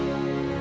sampai jumpa di tv